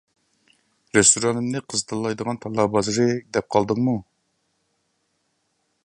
رېستورانىمنى قىز تاللايدىغان تاللا بازىرى دەپ قالدىڭمۇ؟